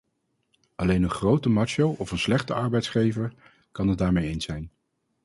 Alleen een grote macho of een slechte arbeidsgever kan het daar mee eens zijn.